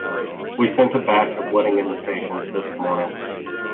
We sent a batch of wedding invitations this morning.